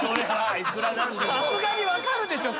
さすがに分かるでしょ。